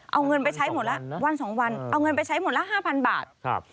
เอาเงินไปใช้หมดแล้ววันสองวันเอาเงินไปใช้หมดละห้าพันบาทครับ